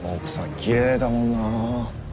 きれいだもんなあ。